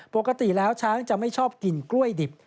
ปกติแล้วช้างจะไม่ชอบกินกล้วยดิบ